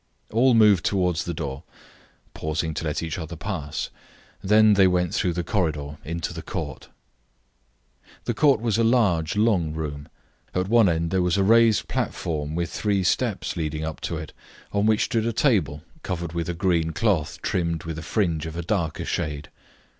All moved towards the door, pausing to let each other pass. Then they went through the corridor into the court. The court was a large, long room. At one end there was a raised platform, with three steps leading up to it, on which stood a table, covered with a green cloth trimmed with a fringe of a darker shade.